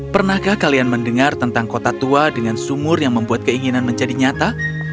pernahkah kalian mendengar tentang kota tua dengan sumur yang membuat keinginan menjadi nyata